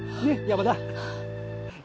山田。